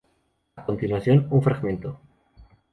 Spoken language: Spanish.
A continuación un fragmento.